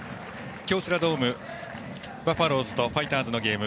京セラドームバファローズとファイターズのゲーム。